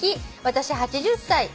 「私８０歳。